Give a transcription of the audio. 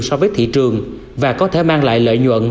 so với thị trường và có thể mang lại lợi nhuận